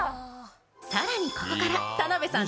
更に、ここから田辺さん